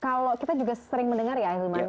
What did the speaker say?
kalau kita juga sering mendengar ya ahli iman